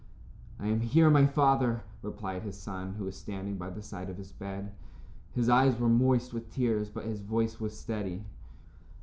"I am here, my father," replied his son who was standing by the side of his bed. His eyes were moist with tears, but his voice was steady.